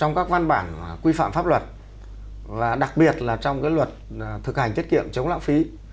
trong các văn bản quy phạm pháp luật và đặc biệt là trong cái luật thực hành tiết kiệm chống lãng phí